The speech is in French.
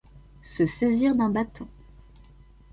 Se saisir d’un bâton.